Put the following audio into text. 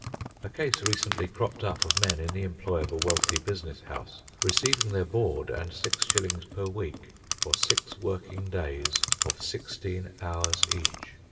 A case recently cropped up of men, in the employ of a wealthy business house, receiving their board and six shillings per week for six working days of sixteen hours each.